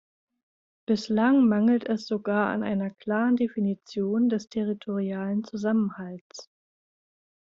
Bislang mangelt es sogar an einer klaren Definition des territorialen Zusammenhalts.